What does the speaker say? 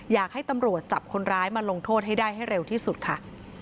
อยากให้ตำรวจจับคนร้ายมาลงโทษให้ได้ให้เร็วที่สุดค่ะ